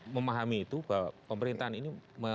memahami itu bahwa pemerintahan ini